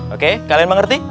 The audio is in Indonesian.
oke kalian mengerti